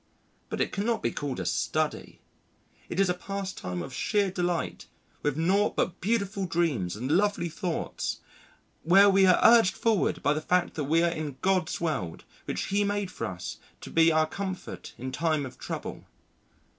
But it cannot be called a study. It is a pastime of sheer delight, with naught but beautiful dreams and lovely thoughts, where we are urged forward by the fact that we are in God's world which He made for us to be our comfort in time of trouble....